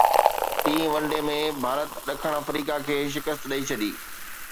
ٽين one day ۾ Bharat ڏکڻ Africa کي شڪست ڏئي ڇڏي